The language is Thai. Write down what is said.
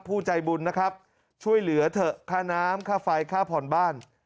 ผู้ใจบุญนะครับช่วยเหลือเถอะค่าน้ำค่าไฟค่าผ่อนบ้าน